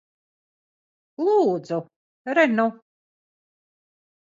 Lūdzu. Re nu.